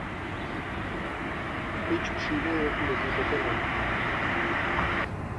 هیچ پشیلەیەک لە ژوورەکە نەبوو.